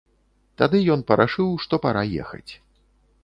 Тады ён парашыў, што пара ехаць.